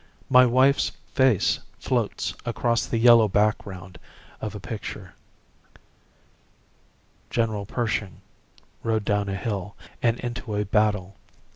My wife's face floats across the yellow background of a picture. General Pershing rode down a hill and into a battle.